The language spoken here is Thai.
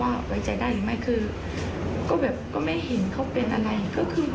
และก็จะรับความจริงของตัวเอง